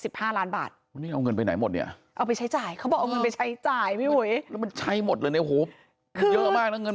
เยอะมากนะเงินมันเยอะมากนะ